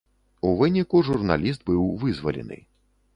У выніку, журналіст быў вызвалены.